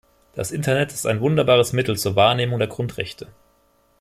Das Internet ist ein wunderbares Mittel zur Wahrnehmung der Grundrechte.